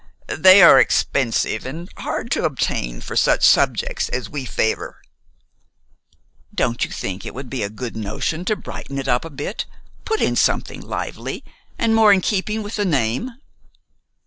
They are expensive and hard to obtain for such subjects as we favor." "Don't you think it would be a good notion to brighten it up a bit put in something lively, and more in keeping with the name?"